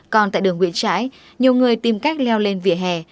còn tại đường nguyễn trãi nhiều người tìm cách leo lên vỉa hè